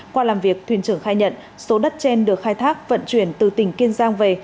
qua làm việc thuyền trưởng khai nhận số đất trên được khai thác vận chuyển từ tỉnh kiên giang về